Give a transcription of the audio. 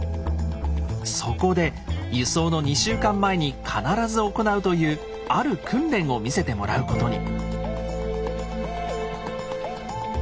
そこで輸送の２週間前に必ず行うというある訓練を見せてもらうことに。